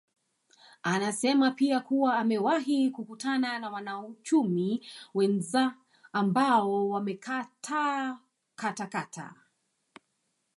Anasema pia kuwa amewahi kukutana na wanauchumi wenza ambao wamekataa katakata